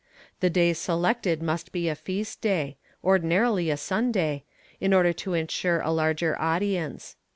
The day selected must be a feast day — ordinarily a Sunday— in order to insure a larger attendance.